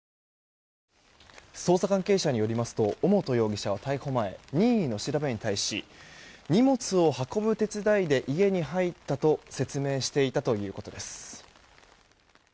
捜査関係者によりますと尾本容疑者は逮捕前、任意の調べに対し荷物を運ぶ手伝いで家に入ったと説明していたということです。